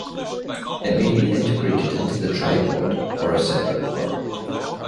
It may be integrated into the tripod, or a separate part.